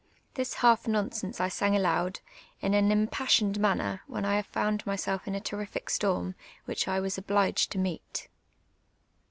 This half nonsense I sang aloud, in an imj)assi()ned manner, when I found myself in a terrific storm, which I was ohlij^ed to meet.